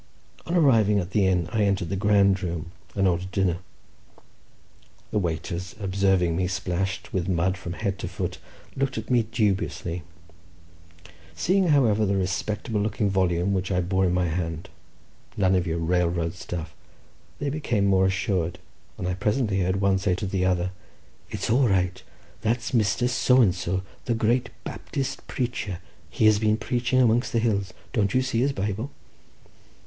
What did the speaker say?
On arriving at the inn, I entered the grand room and ordered dinner. The waiters, observing me splashed with mud from head to foot, looked at me dubiously; seeing, however, the respectable looking volume which I bore in my hand—none of your railroad stuff—they became more assured, and I presently heard one say to the other, "It's all right—that's Mr. So and so, the great Baptist preacher. He has been preaching amongst the hills—don't you see his Bible?"